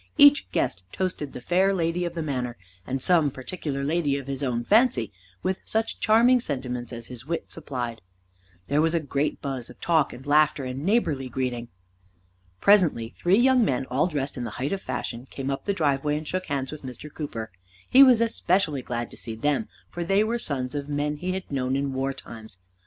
Each guest toasted the fair lady of the manor, and some particular lady of his own fancy, with such charming sentiments as his wit supplied. There was a great buzz of talk and laughter and neighborly greeting. Presently three young men, all dressed in the height of fashion, came up the driveway and shook hands with Mr. Cooper. He was especially glad to see them, for they were sons of men he had known in war times.